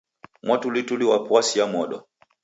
Mwatulituli wapo w'asia modo